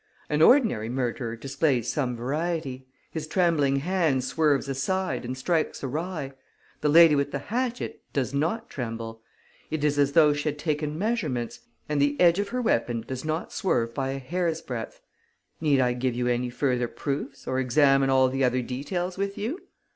An ordinary murderer displays some variety. His trembling hand swerves aside and strikes awry. The lady with the hatchet does not tremble. It is as though she had taken measurements; and the edge of her weapon does not swerve by a hair's breadth. Need I give you any further proofs or examine all the other details with you?